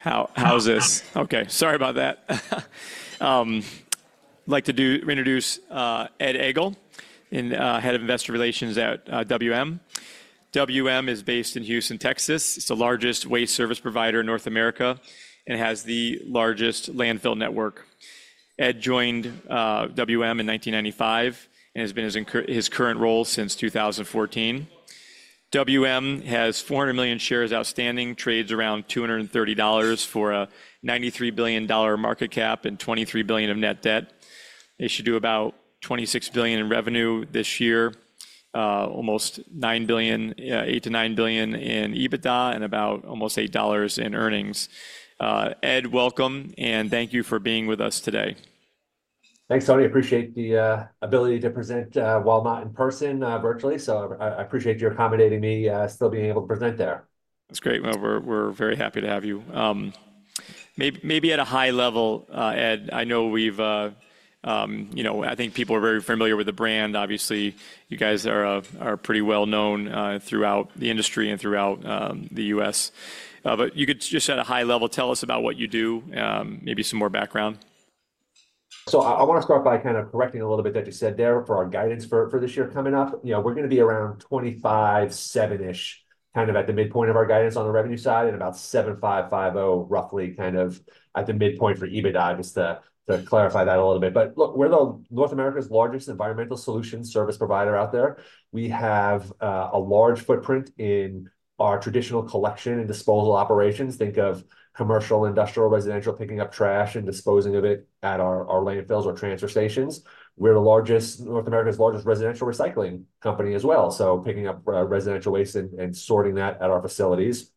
How's this? Okay, sorry about that. I'd like to reintroduce Ed Egl, Head of Investor Relations at WM. WM is based in Houston, Texas. It's the largest waste service provider in North America and has the largest landfill network. Ed joined WM in 1995 and has been in his current role since 2014. WM has 400 million shares outstanding, trades around $230 for a $93 billion market cap and $23 billion of net debt. They should do about $26 billion in revenue this year, almost $8 to $9 billion in EBITDA and about almost $8 in earnings. Ed, welcome, and thank you for being with us today. Thanks, Tony. I appreciate the ability to present while not in person, virtually. I appreciate you accommodating me, still being able to present there. That's great. We are very happy to have you. Maybe at a high level, Ed, I know we've, you know, I think people are very familiar with the brand. Obviously, you guys are pretty well known throughout the industry and throughout the U.S. If you could just, at a high level, tell us about what you do, maybe some more background. I want to start by kind of correcting a little bit that you said there for our guidance for this year coming up. You know, we're going to be around $25.7 billion-ish, kind of at the midpoint of our guidance on the revenue side and about $7.5 billion, $5.0 billion, roughly, kind of at the midpoint for EBITDA, just to clarify that a little bit. Look, we're North America's largest environmental solution service provider out there. We have a large footprint in our traditional collection and disposal operations. Think of commercial, industrial, residential, picking up trash and disposing of it at our landfills or transfer stations. We're North America's largest residential recycling company as well, so picking up residential waste and sorting that at our facilities.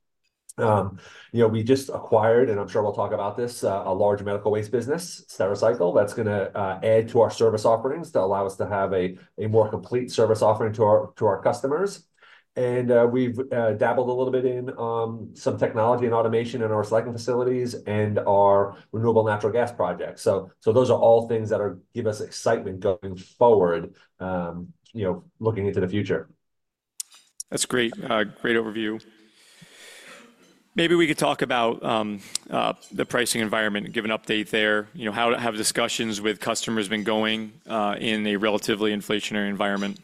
You know, we just acquired, and I'm sure we'll talk about this, a large medical waste business, Stericycle. That's going to add to our service offerings to allow us to have a more complete service offering to our customers. We've dabbled a little bit in some technology and automation in our recycling facilities and our renewable natural gas projects. Those are all things that give us excitement going forward, you know, looking into the future. That's great. Great overview. Maybe we could talk about the pricing environment and give an update there. You know, how have discussions with customers been going in a relatively inflationary environment?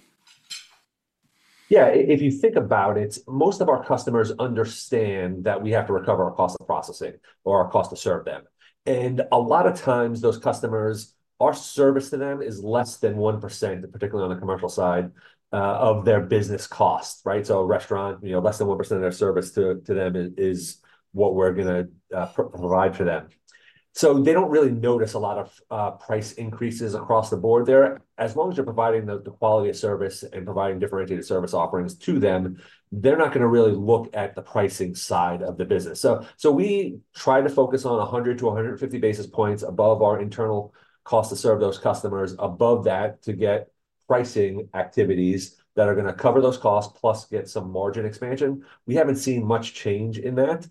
Yeah, if you think about it, most of our customers understand that we have to recover our cost of processing or our cost to serve them. A lot of times those customers, our service to them is less than 1%, particularly on the commercial side, of their business cost, right? A restaurant, you know, less than 1% of their service to them is what we're going to provide for them. They do not really notice a lot of price increases across the board there. As long as you're providing the quality of service and providing differentiated service offerings to them, they're not going to really look at the pricing side of the business. We try to focus on 100 to 150 basis points above our internal cost to serve those customers, above that to get pricing activities that are going to cover those costs, plus get some margin expansion. We haven't seen much change in that.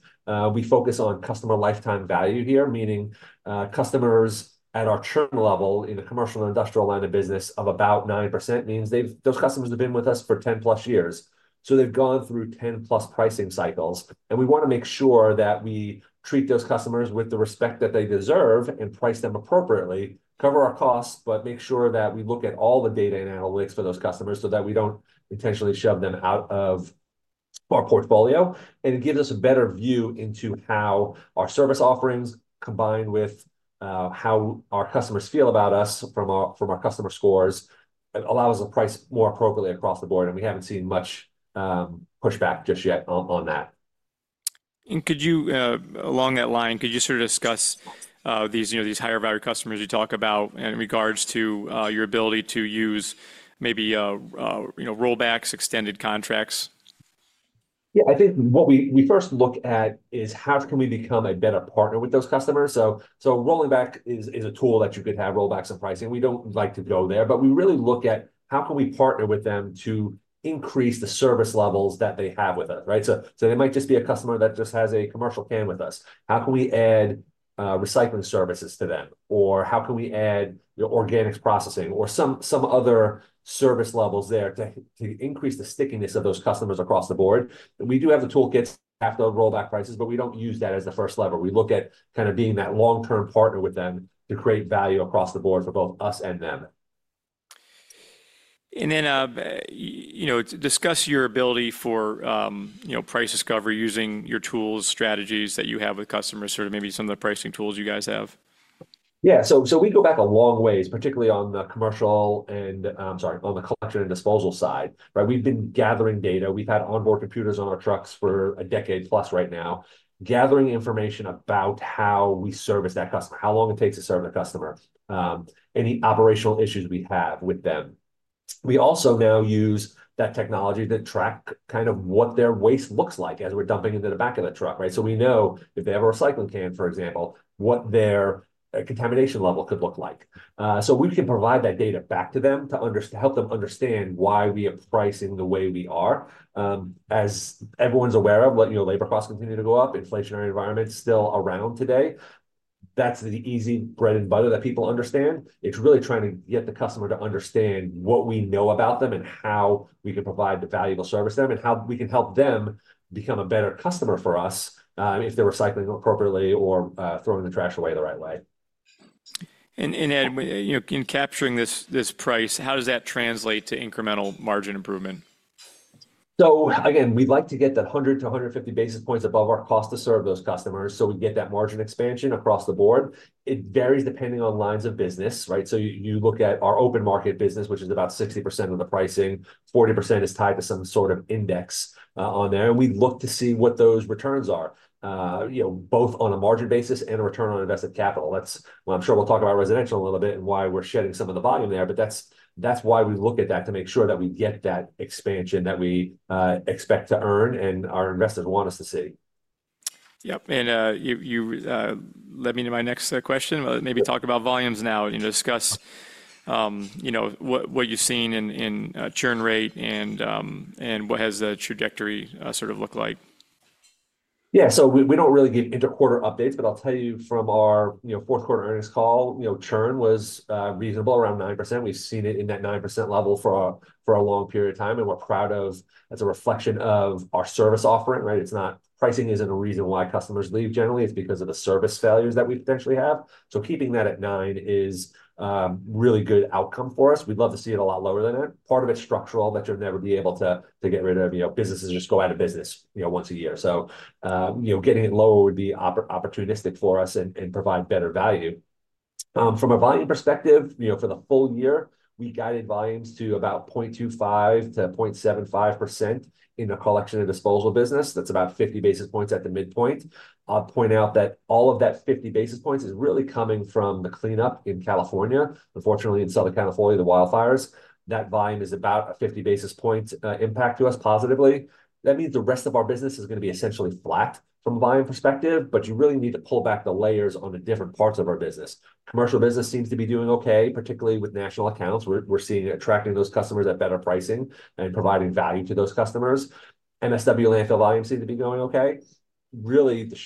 We focus on customer lifetime value here, meaning customers at our term level in the commercial and industrial line of business of about 9% means those customers have been with us for 10 plus years. They have gone through 10 plus pricing cycles. We want to make sure that we treat those customers with the respect that they deserve and price them appropriately, cover our costs, but make sure that we look at all the data and analytics for those customers so that we don't intentionally shove them out of our portfolio. It gives us a better view into how our service offerings combined with how our customers feel about us from our customer scores allows us to price more appropriately across the board. We haven't seen much pushback just yet on that. Could you, along that line, sort of discuss these higher value customers you talk about in regards to your ability to use maybe rollbacks, extended contracts? Yeah, I think what we first look at is how can we become a better partner with those customers. Rolling back is a tool that you could have, rollbacks and pricing. We do not like to go there, but we really look at how can we partner with them to increase the service levels that they have with us, right? They might just be a customer that just has a commercial can with us. How can we add recycling services to them? Or how can we add organic processing or some other service levels there to increase the stickiness of those customers across the board? We do have the toolkits after rollback prices, but we do not use that as the first lever. We look at kind of being that long-term partner with them to create value across the board for both us and them. You know, discuss your ability for price discovery using your tools, strategies that you have with customers, sort of maybe some of the pricing tools you guys have. Yeah, so we go back a long ways, particularly on the commercial and, I'm sorry, on the collection and disposal side, right? We've been gathering data. We've had onboard computers on our trucks for a decade plus right now, gathering information about how we service that customer, how long it takes to serve the customer, any operational issues we have with them. We also now use that technology to track kind of what their waste looks like as we're dumping into the back of the truck, right? So we know if they have a recycling can, for example, what their contamination level could look like. So we can provide that data back to them to help them understand why we are pricing the way we are. As everyone's aware of, you know, labor costs continue to go up, inflationary environment still around today. That's the easy bread and butter that people understand. It's really trying to get the customer to understand what we know about them and how we can provide the valuable service to them and how we can help them become a better customer for us if they're recycling appropriately or throwing the trash away the right way. Ed, you know, in capturing this price, how does that translate to incremental margin improvement? We'd like to get that 100 to 150 basis points above our cost to serve those customers so we get that margin expansion across the board. It varies depending on lines of business, right? You look at our open market business, which is about 60% of the pricing. 40% is tied to some sort of index on there. We look to see what those returns are, you know, both on a margin basis and a return on invested capital. That's why I'm sure we'll talk about residential a little bit and why we're shedding some of the volume there. That's why we look at that to make sure that we get that expansion that we expect to earn and our investors want us to see. Yep. You led me to my next question. Maybe talk about volumes now and discuss, you know, what you've seen in churn rate and what has the trajectory sort of looked like. Yeah, we do not really get into quarter updates, but I'll tell you from our Q4 Earnings Call, you know, churn was reasonable, around 9%. We've seen it in that 9% level for a long period of time. We're proud of, that's a reflection of our service offering, right? It's not pricing, it is not a reason why customers leave generally. It's because of the service failures that we potentially have. Keeping that at 9% is a really good outcome for us. We'd love to see it a lot lower than that. Part of it is structural that you'll never be able to get rid of, you know, businesses just go out of business, you know, once a year. Getting it lower would be opportunistic for us and provide better value. From a volume perspective, you know, for the full year, we guided volumes to about 0.25-0.75% in the collection and disposal business. That's about 50 basis points at the midpoint. I'll point out that all of that 50 basis points is really coming from the cleanup in California. Unfortunately, in Southern California, the wildfires, that volume is about a 50 basis point impact to us positively. That means the rest of our business is going to be essentially flat from a volume perspective, but you really need to pull back the layers on the different parts of our business. Commercial business seems to be doing okay, particularly with national accounts. We're seeing it attracting those customers at better pricing and providing value to those customers. MSW landfill volumes seem to be going okay. Really, the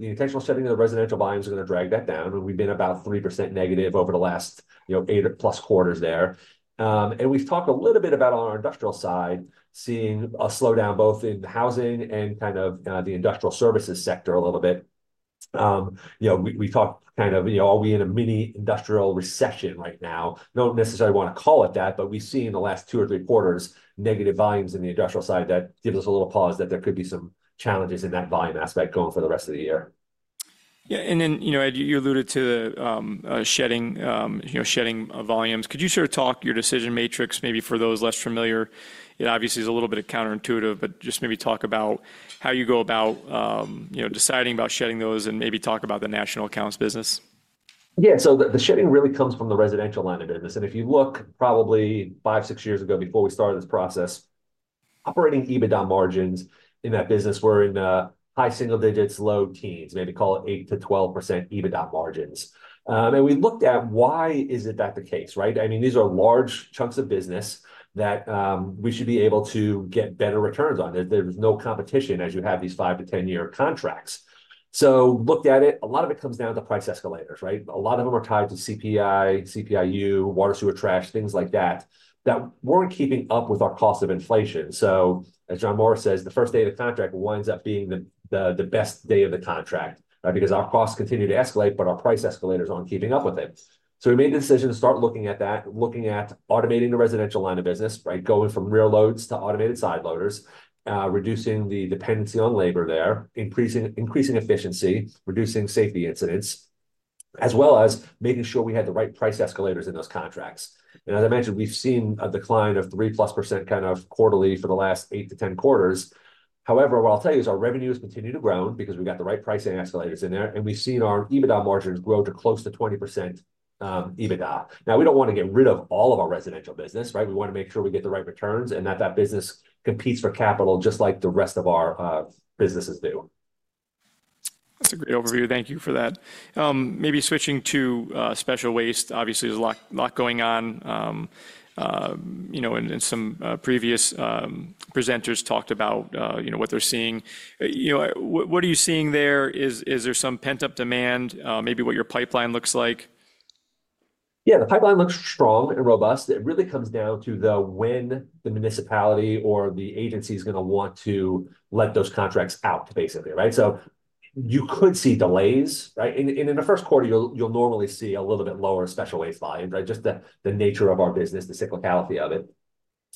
intentional shedding of the residential volumes is going to drag that down. We've been about 3% negative over the last, you know, eight plus quarters there. We've talked a little bit about on our industrial side, seeing a slowdown both in housing and kind of the industrial services sector a little bit. You know, we talked kind of, you know, are we in a mini industrial recession right now? Don't necessarily want to call it that, but we've seen the last two or three quarters negative volumes in the industrial side that gives us a little pause that there could be some challenges in that volume aspect going for the rest of the year. Yeah. And then you know, Ed, you alluded to the shedding, you know, shedding volumes. Could you sort of talk your decision matrix, maybe for those less familiar? It obviously is a little bit counterintuitive, but just maybe talk about how you go about, you know, deciding about shedding those and maybe talk about the national accounts business. Yeah. The shedding really comes from the residential line of business. If you look probably five, six years ago before we started this process, operating EBITDA margins in that business were in the high single digits, low teens, maybe call it 8% to 12% EBITDA margins. We looked at why is it that the case, right? I mean, these are large chunks of business that we should be able to get better returns on. There's no competition as you have these five to 10-year contracts. Looked at it, a lot of it comes down to price escalators, right? A lot of them are tied to CPI, CPI-U, water sewer trash, things like that, that were not keeping up with our cost of inflation. As John Morris says, the first day of the contract winds up being the best day of the contract, right? Because our costs continue to escalate, but our price escalators aren't keeping up with it. We made the decision to start looking at that, looking at automating the residential line of business, right? Going from rear loads to automated side loaders, reducing the dependency on labor there, increasing efficiency, reducing safety incidents, as well as making sure we had the right price escalators in those contracts. As I mentioned, we've seen a decline of 3%+ kind of quarterly for the last eight to 10 quarters. However, what I'll tell you is our revenues continue to grow because we got the right pricing escalators in there. We've seen our EBITDA margins grow to close to 20% EBITDA. We don't want to get rid of all of our residential business, right? We want to make sure we get the right returns and that that business competes for capital just like the rest of our businesses do. That's a great overview. Thank you for that. Maybe switching to special waste, obviously there's a lot going on. You know, and some previous presenters talked about, you know, what they're seeing. You know, what are you seeing there? Is there some pent-up demand, maybe what your pipeline looks like? Yeah, the pipeline looks strong and robust. It really comes down to when the municipality or the agency is going to want to let those contracts out, basically, right? You could see delays, right? In the Q1, you'll normally see a little bit lower special waste volumes, right? Just the nature of our business, the cyclicality of it.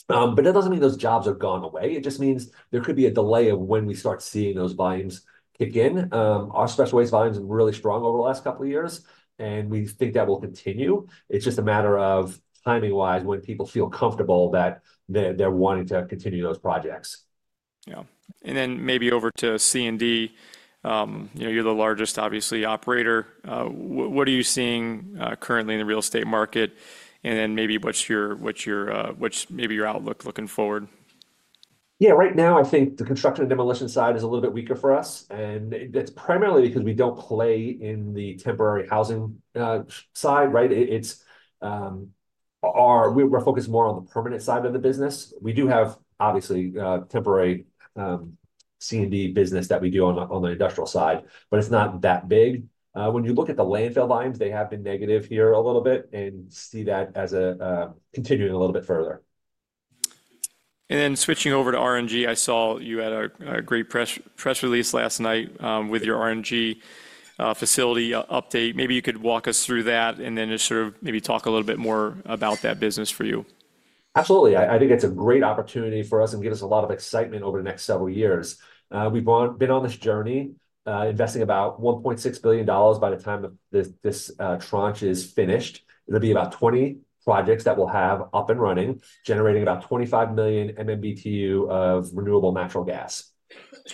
That does not mean those jobs have gone away. It just means there could be a delay of when we start seeing those volumes kick in. Our special waste volumes have been really strong over the last couple of years, and we think that will continue. It's just a matter of timing-wise when people feel comfortable that they're wanting to continue those projects. Yeah. And then maybe over to C&D, you know, you're the largest, obviously, operator. What are you seeing currently in the real estate market? And then maybe what's your, what's maybe your outlook looking forward? Yeah, right now I think the construction and demolition side is a little bit weaker for us. That's primarily because we don't play in the temporary housing side, right? We're focused more on the permanent side of the business. We do have, obviously, temporary C&D business that we do on the industrial side, but it's not that big. When you look at the landfill volumes, they have been negative here a little bit and see that as continuing a little bit further. Switching over to RNG, I saw you had a great press release last night with your RNG facility update. Maybe you could walk us through that and then just sort of maybe talk a little bit more about that business for you. Absolutely. I think it's a great opportunity for us and gives us a lot of excitement over the next several years. We've been on this journey investing about $1.6 billion by the time this tranche is finished. It'll be about 20 projects that we'll have up and running, generating about 25 million MMBtu of renewable natural gas.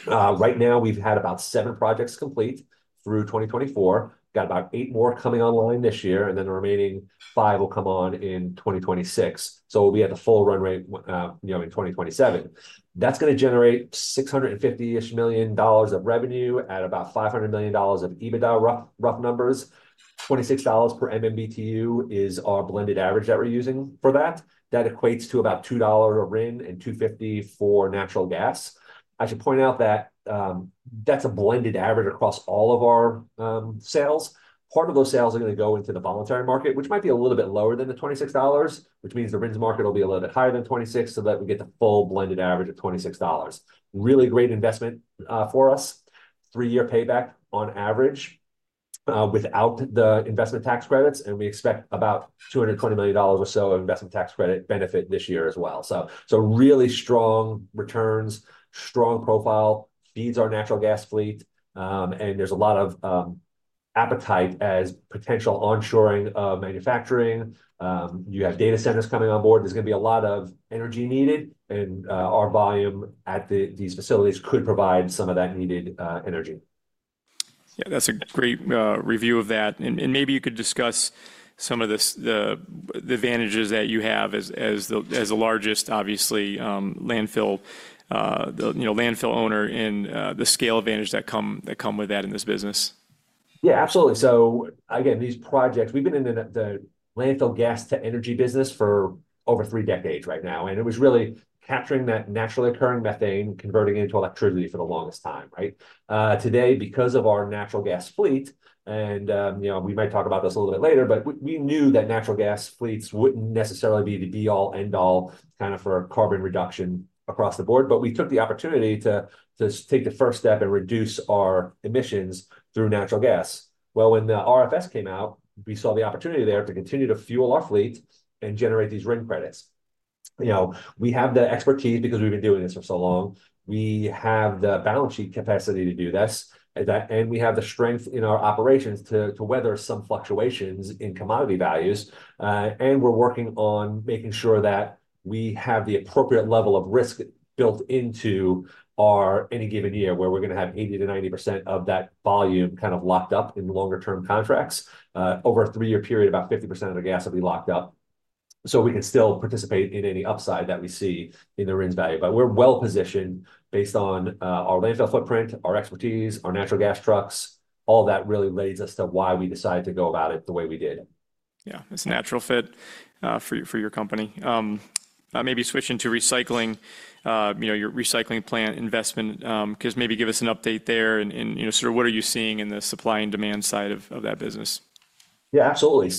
Right now, we've had about seven projects complete through 2024. Got about eight more coming online this year, and the remaining five will come on in 2026. We'll be at the full run rate, you know, in 2027. That's going to generate $650 million of revenue at about $500 million of EBITDA, rough numbers. $26 per MMBtu is our blended average that we're using for that. That equates to about $2 a RIN and $2.50 for natural gas. I should point out that that's a blended average across all of our sales. Part of those sales are going to go into the voluntary market, which might be a little bit lower than the $26, which means the RIN's market will be a little bit higher than $26 so that we get the full blended average of $26. Really great investment for us. Three-year payback on average without the investment tax credits. We expect about $220 million or so of investment tax credit benefit this year as well. Really strong returns, strong profile, feeds our natural gas fleet. There is a lot of appetite as potential onshoring of manufacturing. You have data centers coming on board. There is going to be a lot of energy needed. Our volume at these facilities could provide some of that needed energy. Yeah, that's a great review of that. Maybe you could discuss some of the advantages that you have as the largest, obviously, landfill, you know, landfill owner and the scale advantage that come with that in this business. Yeah, absolutely. Again, these projects, we've been in the landfill gas to energy business for over three decades right now. It was really capturing that naturally occurring methane and converting it into electricity for the longest time, right? Today, because of our natural gas fleet, and you know, we might talk about this a little bit later, we knew that natural gas fleets wouldn't necessarily be the be-all, end-all kind of for carbon reduction across the board. We took the opportunity to take the first step and reduce our emissions through natural gas. When the RFS came out, we saw the opportunity there to continue to fuel our fleet and generate these RIN credits. You know, we have the expertise because we've been doing this for so long. We have the balance sheet capacity to do this. We have the strength in our operations to weather some fluctuations in commodity values. We are working on making sure that we have the appropriate level of risk built into any given year where we are going to have 80% to 90% of that volume kind of locked up in longer-term contracts. Over a three-year period, about 50% of the gas will be locked up. We can still participate in any upside that we see in the RIN's value. We are well positioned based on our landfill footprint, our expertise, our natural gas trucks. All that really leads us to why we decided to go about it the way we did. Yeah, it's a natural fit for your company. Maybe switching to recycling, you know, your recycling plant investment, because maybe give us an update there and, you know, sort of what are you seeing in the supply and demand side of that business? Yeah, absolutely.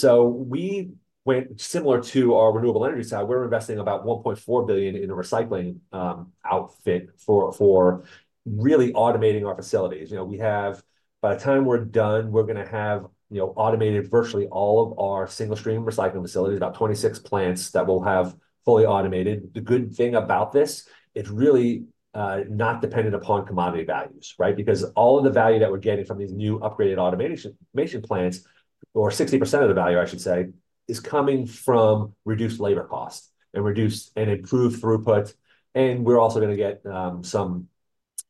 We went similar to our renewable energy side. We're investing about $1.4 billion in a recycling outfit for really automating our facilities. You know, we have, by the time we're done, we're going to have, you know, automated virtually all of our single-stream recycling facilities, about 26 plants that we'll have fully automated. The good thing about this, it's really not dependent upon commodity values, right? Because all of the value that we're getting from these new upgraded automation plants, or 60% of the value, I should say, is coming from reduced labor costs and reduced and improved throughput. We're also going to get some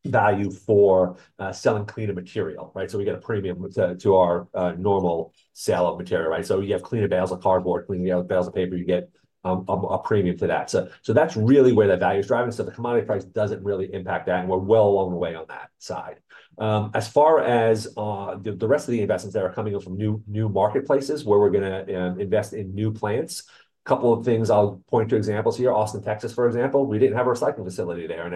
value for selling cleaner material, right? We get a premium to our normal sale of material, right? You have cleaner bales of cardboard, cleaner bales of paper, you get a premium to that. That's really where that value is driving. The commodity price doesn't really impact that. We're well along the way on that side. As far as the rest of the investments that are coming in from new marketplaces where we're going to invest in new plants, a couple of things I'll point to examples here. Austin, Texas, for example, we didn't have a recycling facility there.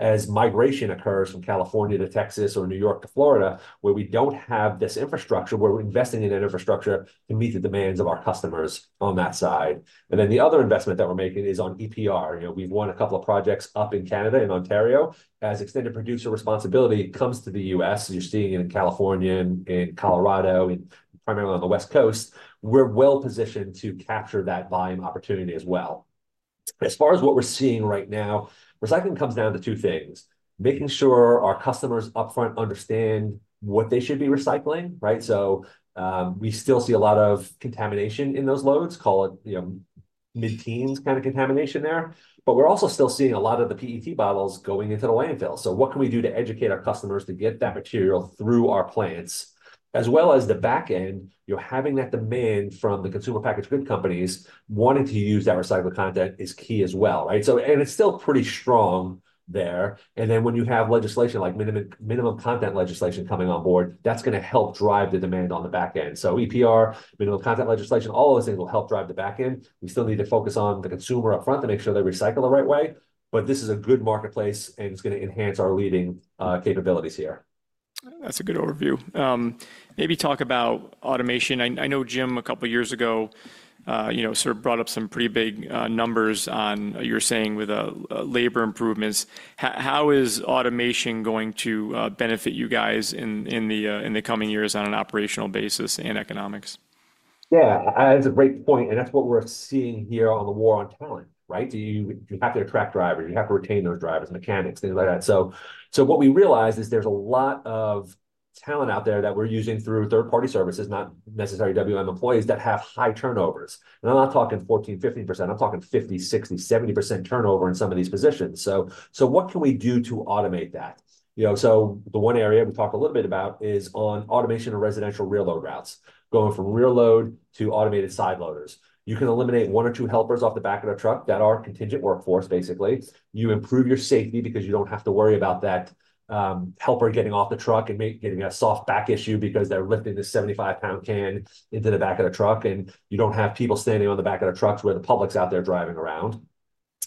As migration occurs from California to Texas or New York to Florida, where we don't have this infrastructure, we're investing in that infrastructure to meet the demands of our customers on that side. The other investment that we're making is on EPR. You know, we've won a couple of projects up in Canada and Ontario. As extended producer responsibility comes to the U.S., you're seeing it in California, in Colorado, and primarily on the West Coast, we're well positioned to capture that volume opportunity as well. As far as what we're seeing right now, recycling comes down to two things: making sure our customers upfront understand what they should be recycling, right? We still see a lot of contamination in those loads, call it, you know, mid-teens kind of contamination there. We're also still seeing a lot of the PET bottles going into the landfill. What can we do to educate our customers to get that material through our plants, as well as the back end, you know, having that demand from the consumer packaged goods companies wanting to use that recycled content is key as well, right? It is still pretty strong there. When you have legislation like minimum content legislation coming on board, that's going to help drive the demand on the back end. EPR, minimum content legislation, all of those things will help drive the back end. We still need to focus on the consumer upfront to make sure they recycle the right way. This is a good marketplace and it's going to enhance our leading capabilities here. That's a good overview. Maybe talk about automation. I know Jim, a couple of years ago, you know, sort of brought up some pretty big numbers on, you're saying, with labor improvements. How is automation going to benefit you guys in the coming years on an operational basis and economics? Yeah, that's a great point. That's what we're seeing here on the war on talent, right? You have to attract drivers. You have to retain those drivers, mechanics, things like that. What we realized is there's a lot of talent out there that we're using through third-party services, not necessarily WM employees that have high turnovers. I'm not talking 14%, 15%. I'm talking 50%, 60%, 70% turnover in some of these positions. What can we do to automate that? You know, the one area we talked a little bit about is on automation of residential rear load routes, going from rear load to automated side loaders. You can eliminate one or two helpers off the back of the truck that are contingent workforce, basically. You improve your safety because you don't have to worry about that helper getting off the truck and getting a soft back issue because they're lifting the 75 lb can into the back of the truck. You don't have people standing on the back of the trucks where the public's out there driving around.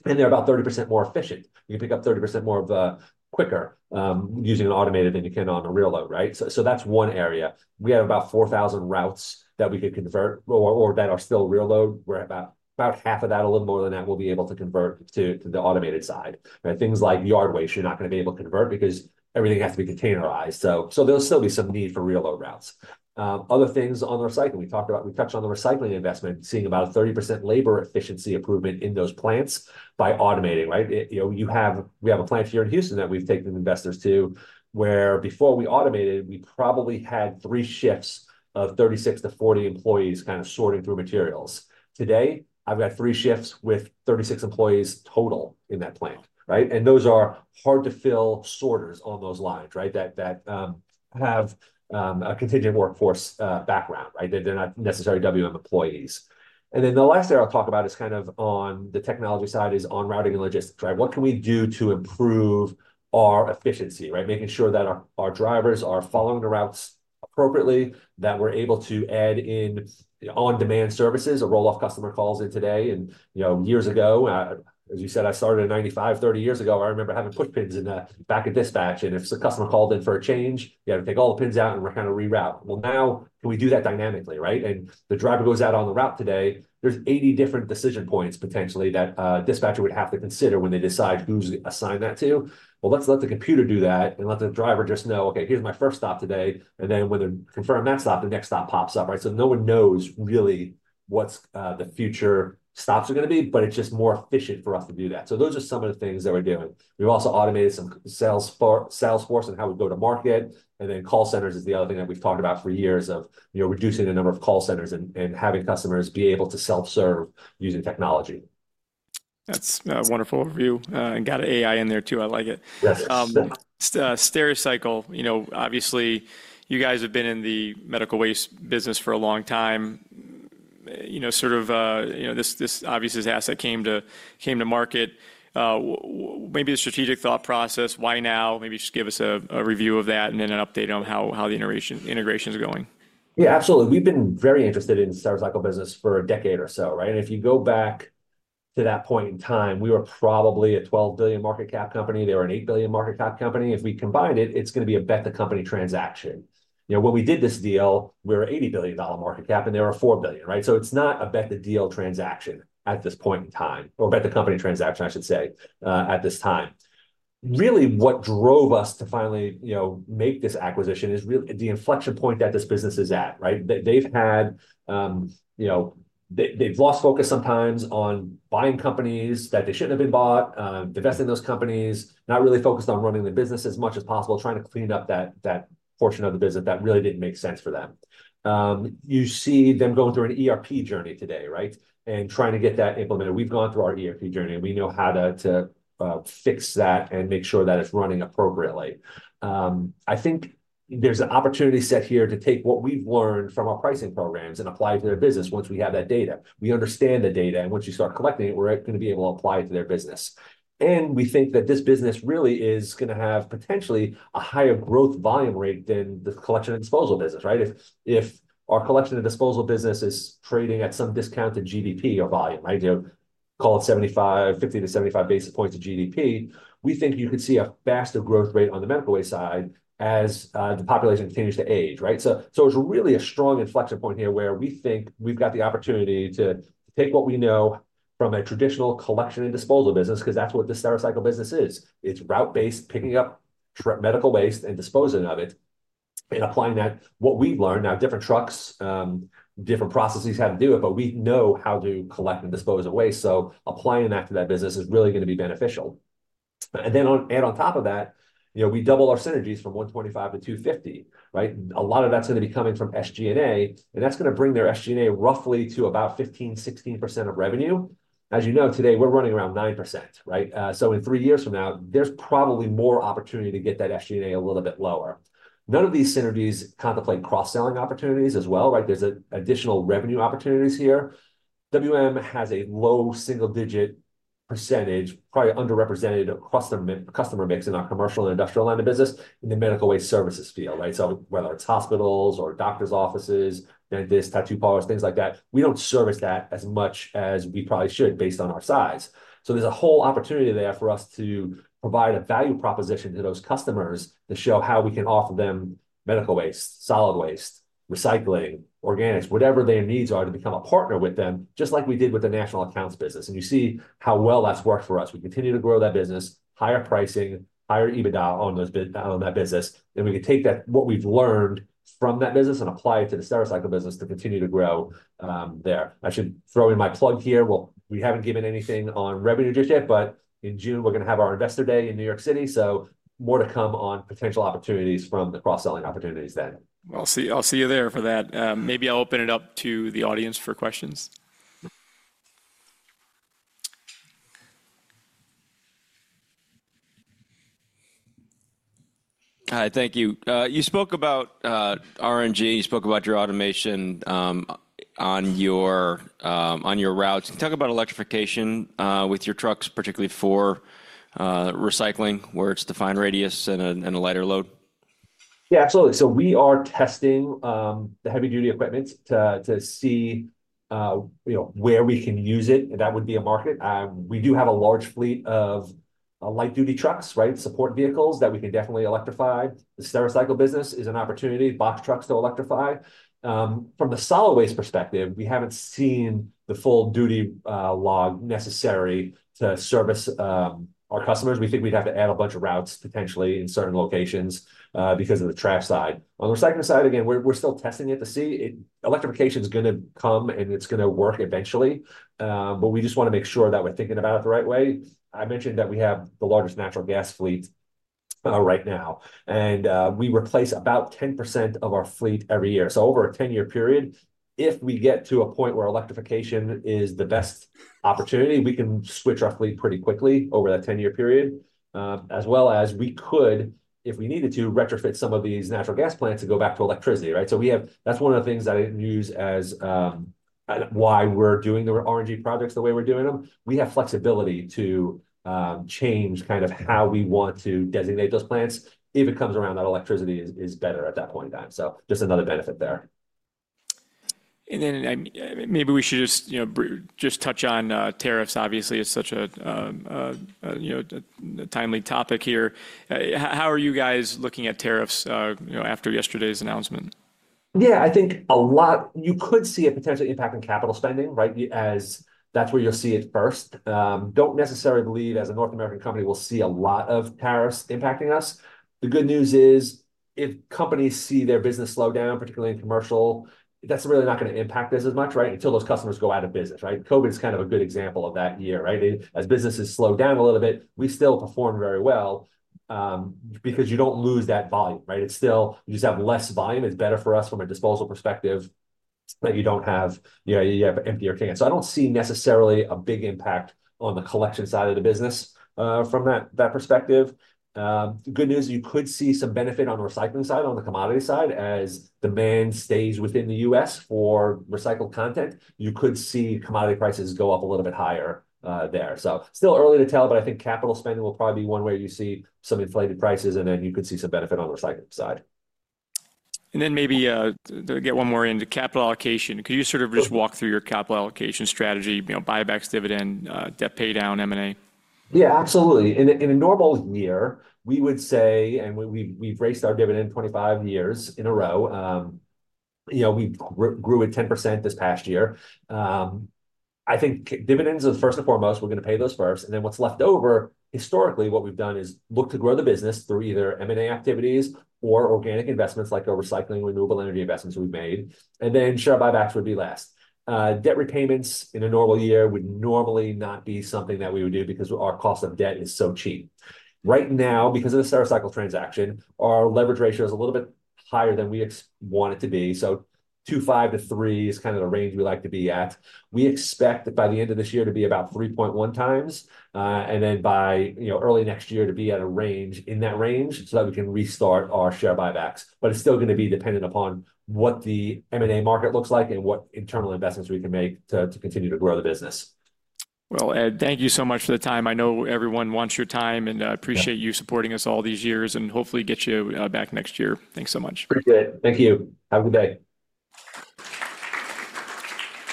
They're about 30% more efficient. You can pick up 30% more of the quicker using an automated than you can on a rear load, right? That's one area. We have about 4,000 routes that we could convert or that are still rear load. We're about half of that, a little more than that, we'll be able to convert to the automated side, right? Things like yard waste, you're not going to be able to convert because everything has to be containerized. There'll still be some need for rear load routes. Other things on the recycling, we talked about, we touched on the recycling investment, seeing about a 30% labor efficiency improvement in those plants by automating, right? You know, we have a plant here in Houston that we've taken investors to where before we automated, we probably had three shifts of 36 to 40 employees kind of sorting through materials. Today, I've got three shifts with 36 employees total in that plant, right? And those are hard-to-fill sorters on those lines, right? That have a contingent workforce background, right? They're not necessarily WM employees. The last area I'll talk about is kind of on the technology side is on routing and logistics, right? What can we do to improve our efficiency, right? Making sure that our drivers are following the routes appropriately, that we're able to add in on-demand services, roll-off customer calls in today. You know, years ago, as you said, I started at 1995, 30 years ago. I remember having push pins back at dispatch. If a customer called in for a change, you had to take all the pins out and kind of reroute. Now can we do that dynamically, right? The driver goes out on the route today, there are 80 different decision points potentially that dispatcher would have to consider when they decide who is assigned that to. Let the computer do that and let the driver just know, okay, here is my first stop today. When they confirm that stop, the next stop pops up, right? No one knows really what the future stops are going to be, but it is just more efficient for us to do that. Those are some of the things that we are doing. We've also automated some sales force and how we go to market. Call centers is the other thing that we've talked about for years of, you know, reducing the number of call centers and having customers be able to self-serve using technology. That's a wonderful overview. Got an AI in there too. I like it. Yes. Stericycle, you know, obviously you guys have been in the medical waste business for a long time. You know, sort of, you know, this obviously is asset came to market. Maybe a strategic thought process, why now? Maybe just give us a review of that and then an update on how the integration is going. Yeah, absolutely. We've been very interested in Stericycle business for a decade or so, right? And if you go back to that point in time, we were probably a $12 billion market cap company. They were an $8 billion market cap company. If we combined it, it's going to be a bet-the-company transaction. You know, when we did this deal, we were $80 billion market cap and they were $4 billion, right? So it's not a bet-the-deal transaction at this point in time, or bet-the-company transaction, I should say, at this time. Really, what drove us to finally, you know, make this acquisition is really the inflection point that this business is at, right? They've had, you know, they've lost focus sometimes on buying companies that they shouldn't have been bought, investing in those companies, not really focused on running the business as much as possible, trying to clean up that portion of the business that really didn't make sense for them. You see them going through an ERP journey today, right? Trying to get that implemented. We've gone through our ERP journey and we know how to fix that and make sure that it's running appropriately. I think there's an opportunity set here to take what we've learned from our pricing programs and apply it to their business once we have that data. We understand the data. Once you start collecting it, we're going to be able to apply it to their business. We think that this business really is going to have potentially a higher growth volume rate than the collection and disposal business, right? If our collection and disposal business is trading at some discounted GDP or volume, right? You know, call it 50-75 basis points of GDP, we think you could see a faster growth rate on the medical waste side as the population continues to age, right? It is really a strong inflection point here where we think we have got the opportunity to take what we know from a traditional collection and disposal business, because that is what the Stericycle business is. It is route-based, picking up medical waste and disposing of it and applying that, what we have learned. Now, different trucks, different processes have to do it, but we know how to collect and dispose of waste. Applying that to that business is really going to be beneficial. On top of that, you know, we double our synergies from $125 million to $250 million, right? A lot of that's going to be coming from SG&A. That's going to bring their SG&A roughly to about 15%, 16% of revenue. As you know, today we're running around 9%, right? In three years from now, there's probably more opportunity to get that SG&A a little bit lower. None of these synergies contemplate cross-selling opportunities as well, right? There are additional revenue opportunities here. WM has a low single-digit percentage, probably underrepresented across the customer mix in our commercial and industrial line of business in the medical waste services field, right? Whether it's hospitals or doctors' offices, dentists, tattoo parlors, things like that, we don't service that as much as we probably should based on our size. There is a whole opportunity there for us to provide a value proposition to those customers to show how we can offer them medical waste, solid waste, recycling, organics, whatever their needs are to become a partner with them, just like we did with the national accounts business. You see how well that's worked for us. We continue to grow that business, higher pricing, higher EBITDA on that business. We can take that, what we've learned from that business and apply it to the Stericycle business to continue to grow there. I should throw in my plug here. We haven't given anything on revenue just yet, but in June, we're going to have our Investor Day in New York City. More to come on potential opportunities from the cross-selling opportunities then. I'll see you there for that. Maybe I'll open it up to the audience for questions. Hi, thank you. You spoke about RNG. You spoke about your automation on your routes. Can you talk about electrification with your trucks, particularly for recycling where it's defined radius and a lighter load? Yeah, absolutely. We are testing the heavy-duty equipment to see, you know, where we can use it. That would be a market. We do have a large fleet of light-duty trucks, right? Support vehicles that we can definitely electrify. The Stericycle business is an opportunity, box trucks to electrify. From the solid waste perspective, we have not seen the full duty log necessary to service our customers. We think we would have to add a bunch of routes potentially in certain locations because of the trash side. On the recycling side, again, we are still testing it to see. Electrification is going to come and it is going to work eventually. We just want to make sure that we are thinking about it the right way. I mentioned that we have the largest natural gas fleet right now. We replace about 10% of our fleet every year. Over a 10-year period, if we get to a point where electrification is the best opportunity, we can switch our fleet pretty quickly over that 10-year period, as well as we could, if we needed to, retrofit some of these natural gas plants and go back to electricity, right? We have, that's one of the things that I did not use as why we're doing the RNG projects the way we're doing them. We have flexibility to change kind of how we want to designate those plants if it comes around that electricity is better at that point in time. Just another benefit there. Maybe we should just, you know, just touch on tariffs. Obviously, it's such a, you know, timely topic here. How are you guys looking at tariffs, you know, after yesterday's announcement? Yeah, I think a lot, you could see a potential impact on capital spending, right? As that's where you'll see it first. Don't necessarily believe as a North American company we'll see a lot of tariffs impacting us. The good news is if companies see their business slow down, particularly in commercial, that's really not going to impact us as much, right? Until those customers go out of business, right? COVID is kind of a good example of that year, right? As businesses slow down a little bit, we still perform very well because you don't lose that volume, right? It's still, you just have less volume. It's better for us from a disposal perspective that you don't have, you know, you have emptier can. So I don't see necessarily a big impact on the collection side of the business from that perspective. Good news, you could see some benefit on the recycling side, on the commodity side. As demand stays within the U.S. for recycled content, you could see commodity prices go up a little bit higher there. It is still early to tell, but I think capital spending will probably be one where you see some inflated prices and then you could see some benefit on the recycling side. Maybe to get one more into capital allocation, could you sort of just walk through your capital allocation strategy, you know, buybacks, dividend, debt pay down, M&A? Yeah, absolutely. In a normal year, we would say, and we've raised our dividend 25 years in a row. You know, we grew at 10% this past year. I think dividends are first and foremost. We're going to pay those first. And then what's left over, historically, what we've done is look to grow the business through either M&A activities or organic investments like our recycling renewable energy investments we've made. Then share buybacks would be last. Debt repayments in a normal year would normally not be something that we would do because our cost of debt is so cheap. Right now, because of the Stericycle transaction, our leverage ratio is a little bit higher than we want it to be. So 2.5 to 3 is kind of the range we like to be at. We expect by the end of this year to be about 3.1 times. By early next year to be at a range in that range so that we can restart our share buybacks. It is still going to be dependent upon what the M&A market looks like and what internal investments we can make to continue to grow the business. Well Ed, thank you so much for the time. I know everyone wants your time and appreciate you supporting us all these years and hopefully get you back next year. Thanks so much. Appreciate it. Thank you. Have a good day.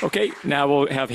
Okay. Now we'll have him.